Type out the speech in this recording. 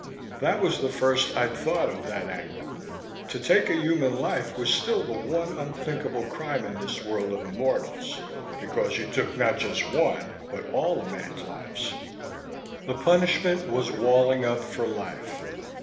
That was the first I'd thought of that angle. To take a human life was still the one unthinkable crime in this world of immortals because you took not just one, but all a man's lives. The punishment was walling up for life